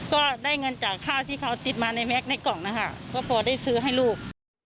ก็ได้เงินจากข้าวที่เขาติดมาในแก๊กในกล่องนะคะก็พอได้ซื้อให้ลูก